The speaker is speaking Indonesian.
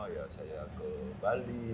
ya saya ke bali